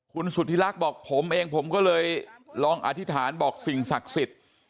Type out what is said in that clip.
คุณสุธิรักษ์บอกผมเองผมก็เลยลองอธิษฐานบอกสิ่งศักดิ์สิทธิ์